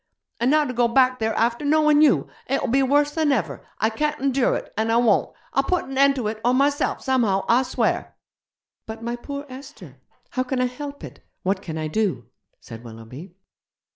And now to go back there after knowin' you! It'll be worse than ever. I can't endure it, and I won't! I'll put an end to it or myself somehow, I swear!' 'But my poor Esther, how can I help it? what can I do?' said Willoughby.